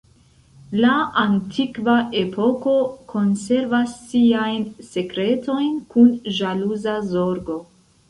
La antikva epoko konservas siajn sekretojn kun ĵaluza zorgo.